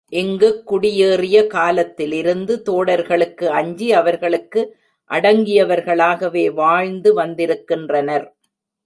இங்குக் குடியேறிய காலத்திலிருந்து தோடர்களுக்கு அஞ்சி, அவர்களுக்கு அடங்கியவர்களாகவே வாழ்ந்து வந்திருக்கின்றனர்.